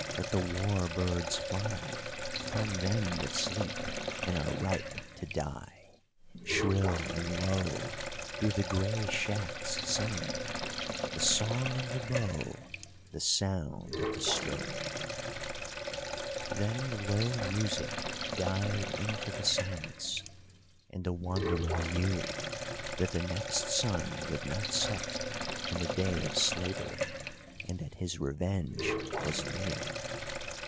Let the war birds fly Upon them that sleep And are ripe to die! Shrill and low Do the grey shafts sing The Song of the Bow, The sound of the string! Then the low music died into the silence, and the Wanderer knew that the next sun would not set on the day of slavery, and that his revenge was near.